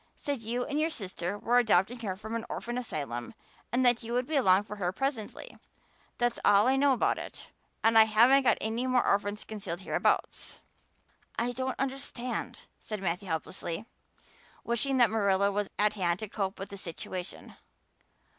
Said you and your sister were adopting her from an orphan asylum and that you would be along for her presently. That's all I know about it and I haven't got any more orphans concealed hereabouts." "I don't understand," said Matthew helplessly, wishing that Marilla was at hand to cope with the situation.